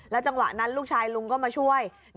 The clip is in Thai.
จังหวะนั้นลูกชายลุงก็มาช่วย